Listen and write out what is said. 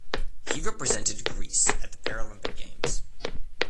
He represented Greece at the Paralympic Games.